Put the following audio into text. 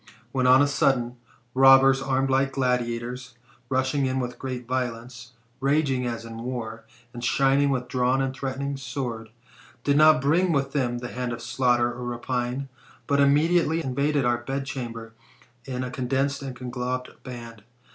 When, on a sudden, robbers armed like gladiators, rushing in with great violence, raging as in war, and shining with drawn and threatening swords, did not bring with them the hand of slaughter or rapine, but immediately invaded our bedchamber, in a condensed and conglobed band.